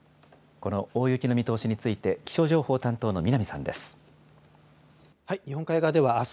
この大雪の見通しについて、気象情報担当の南さんです。